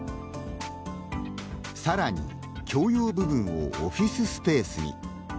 さらに、共用部分をオフィススペースに。